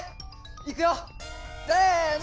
いくよせの！